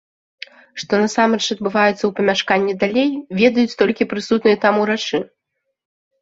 Што насамрэч адбываецца ў памяшканні далей, ведаюць толькі прысутныя там урачы.